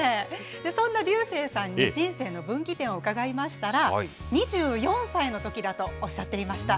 そんな竜星さんに人生の分岐点を伺いましたが、２４歳のときだとおっしゃっていました。